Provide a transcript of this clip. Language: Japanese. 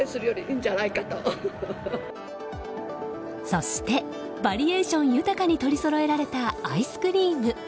そしてバリエーション豊かに取りそろえられたアイスクリーム。